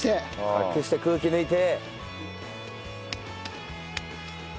隠して空気抜いて。